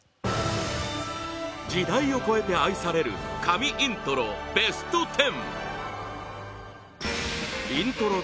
時代を超えて愛される神イントロＢＥＳＴ１０